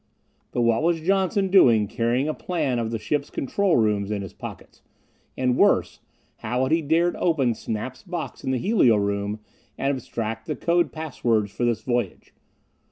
But what was Johnson doing carrying a plan of the ship's control rooms in his pockets? And worse: How had he dared open Snap's box in the helio room and abstract the code pass words for this voyage?